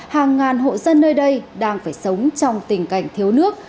hàng ngàn hộ dân nơi đây đang phải sống trong tình cảnh thiếu nước